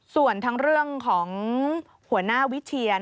ส่วนทั้งเรื่องของหัวหน้าวิเชียน